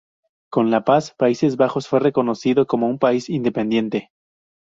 Con la paz, Países Bajos fue reconocido como un país independiente.